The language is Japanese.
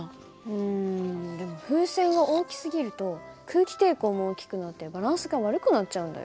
うんでも風船が大きすぎると空気抵抗も大きくなってバランスが悪くなっちゃうんだよ。